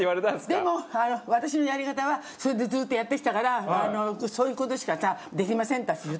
でも私のやり方はそれでずっとやってきたからそういう事しかできません」って私言ったの。